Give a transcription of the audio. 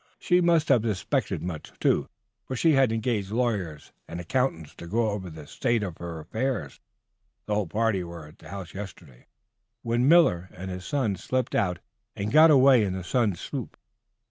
She must have suspected much, too, for she had engaged lawyers and accountants to go over the state of her affairs. The whole party were at the house yesterday, when Miller and his son slipped out and got away in the son's sloop.